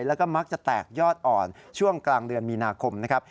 แล้วก็มักจะแตกยอดอ่อนช่วงกลางเดือนมีนาคมนะครับ